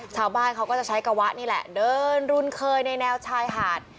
ชาวบ้านเขาก็จะใช้กะวะนี่แหละเดินรุนเคยในแนวชายหาด